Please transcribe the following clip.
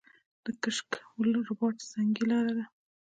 د کشک رباط سنګي لاره ده